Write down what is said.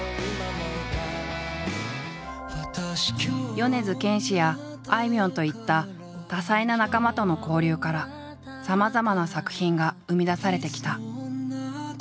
米津玄師やあいみょんといった多彩な仲間との交流からさまざまな作品が生み出されてきた。